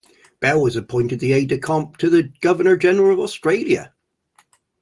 Bell was appointed the aide-de-camp to the Governor-General of Australia.